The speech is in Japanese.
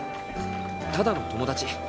ただの友達。